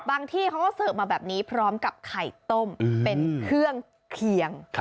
ที่เขาก็เสิร์ฟมาแบบนี้พร้อมกับไข่ต้มเป็นเครื่องเคียง